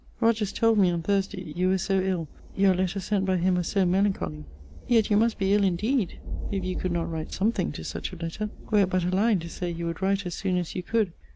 Rogers told me, on Thursday, you were so ill; your letter sent by him was so melancholy! Yet you must be ill indeed, if you could not write something to such a letter; were it but a line, to say you would write as soon as you could.